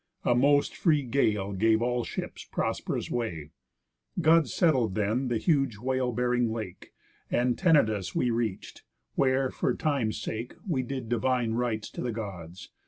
A most free gale gave all ships prosp'rous way. God settled then the huge whale bearing lake, And Tenedos we reach'd; where, for time's sake, We did divine rites to the Gods.